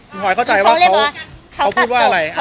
พี่หอยเข้าใจว่าเขาเขาเรียกว่าเขาพูดว่าอะไร